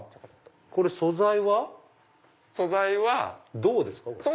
これ素材は銅ですか？